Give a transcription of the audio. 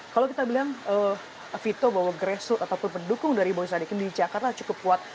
kalau kita bilang vito bahwa grassroot ataupun pendukung dari boy sadikin di jakarta cukup kuat